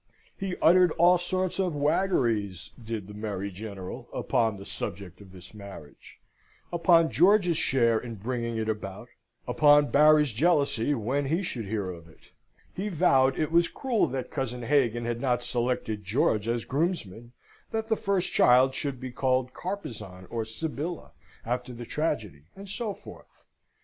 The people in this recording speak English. He uttered all sorts of waggeries, did the merry General, upon the subject of this marriage; upon George's share in bringing it about; upon Barry's jealousy when he should hear of it, He vowed it was cruel that cousin Hagan had not selected George as groomsman; that the first child should be called Carpezan or Sybilla, after the tragedy, and so forth.